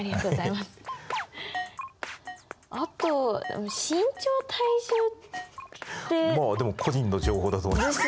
まあでも個人の情報だと思います。